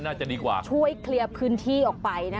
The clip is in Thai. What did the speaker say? แล้วก็ช่วยเคลียร์พื้นที่ออกไปนะ